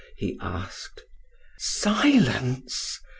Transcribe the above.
he asked. "Silence!"